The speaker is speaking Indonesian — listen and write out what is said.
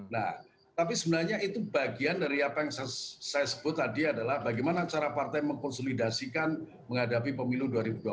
nah tapi sebenarnya itu bagian dari apa yang saya sebut tadi adalah bagaimana cara partai mengkonsolidasikan menghadapi pemilu dua ribu dua puluh empat